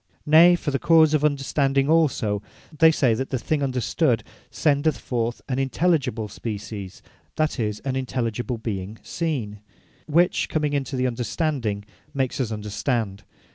Nay for the cause of Understanding also, they say the thing Understood sendeth forth Intelligible Species, that is, an Intelligible Being Seen; which comming into the Understanding, makes us Understand.